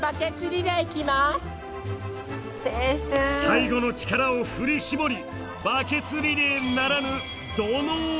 最後の力を振り絞り「バケツリレー」ならぬ「土のうリレー」！